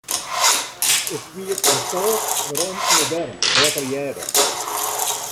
Ik smiet de stôk werom yn 'e berm, dêr't er hearde.